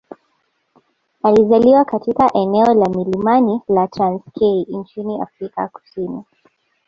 alizaliwa katika eneo la milimani la Transkei nchini Afrika Kusini